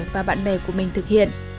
và bạn bè của mình thực hiện